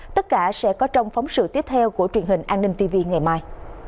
tất cả sẽ có trong phóng sự tiếp theo của truyền hình an ninh tv ngày mai